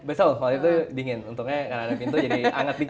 best of all waktu itu dingin untungnya karena ada pintu jadi anget dikit